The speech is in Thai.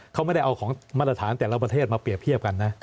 เขาไม่ได้เอาของมาตรฐานแต่ละประเทศมาเปรียบเทียบกันนะ